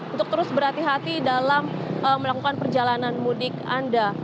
untuk terus berhati hati dalam melakukan perjalanan mudik anda